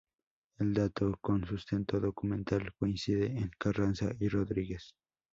El dato, con sustento documental, coincide en Carranza y Rodríguez.